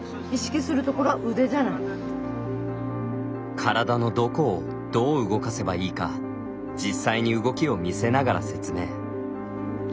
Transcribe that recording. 体のどこをどう動かせばいいか実際に動きを見せながら説明。